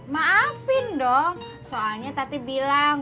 maafin dong soalnya tadi bilang